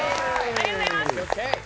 ありがとうございます！